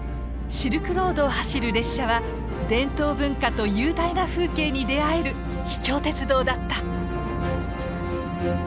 シルクロードを走る列車は伝統文化と雄大な風景に出会える秘境鉄道だった！